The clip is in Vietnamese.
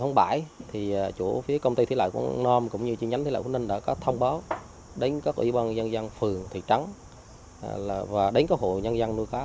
năm nay công ty đã thông báo đến các ủy ban dân dân phường thị trắng và đến các hộ dân dân nuôi cá